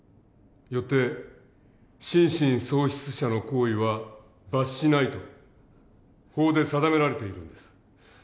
よって「心神喪失者の行為は罰しない」と法で定められているんです。